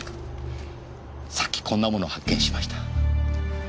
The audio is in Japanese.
さっきこんなものを発見しました。